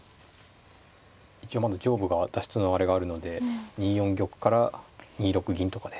一応まだ上部が脱出のあれがあるので２四玉から２六銀とかで。